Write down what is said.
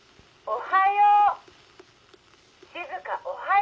静おはよう！